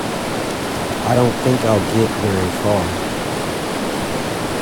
I don’t think I’ll get very far.